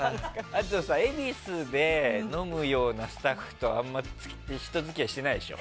あと恵比寿で飲むようなスタッフとあまり人付き合いしてないでしょ。